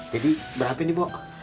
jadi berapa ini pok